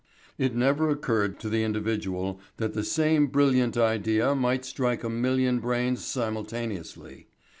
It never occurred to the individual that the same brilliant idea might strike a million brains simultaneously.